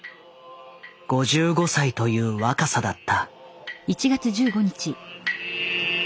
５５歳という若さだった。